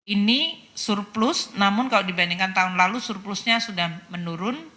ini surplus namun kalau dibandingkan tahun lalu surplusnya sudah menurun